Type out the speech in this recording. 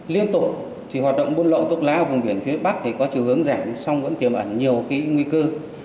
liên tục thì hoạt động buôn lậu thuốc lá ở vùng biển phía bắc thì có chiều hướng rảnh xong vẫn tiềm ẩn nhiều cái nguy cư